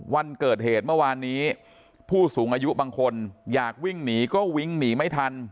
วันเกิดเหตุเมื่อวานนี้ผู้สูงอายุบางคนอยากวิ่งหนีก็วิ่งหนีไม่ทัน